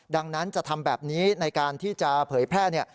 ดังนั้นจะทำแบบนี้ในการที่จะเผยแพร่